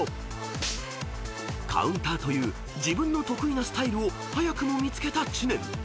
［カウンターという自分の得意なスタイルを早くも見つけた知念］